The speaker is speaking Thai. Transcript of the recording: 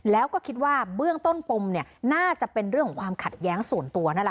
แล้วก็คิดว่าเบื้องต้นปมน่าจะเป็นเรื่องของความขัดแย้งส่วนตัวนั่นแหละ